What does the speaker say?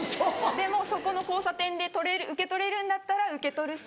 でもうそこの交差点で受け取れるんだったら受け取るし。